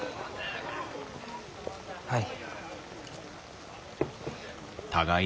はい。